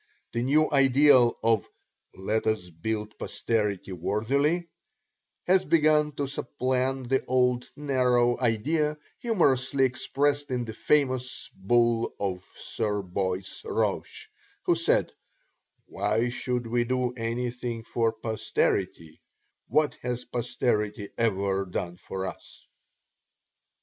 The new ideal of "Let us build posterity worthily" has begun to supplant the old narrow idea humorously expressed in the famous bull of Sir Boyce Roche, who said, "Why should we do anything for posterity what has posterity ever done for us?"